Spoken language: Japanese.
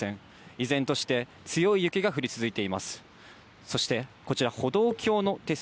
依然として強い雪が降り続いています。